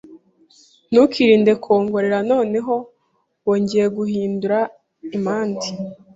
ntukirinde kwongorera, “Noneho wongeye guhindura impande.”